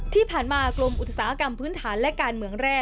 ที่ผ่านมากรมอุตสาหกรรมพื้นฐานและการเมืองแร่